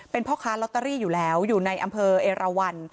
เป็นพ่อค้าลอตเตอรี่อยู่แล้วอยู่ในอำเภอเอราวัน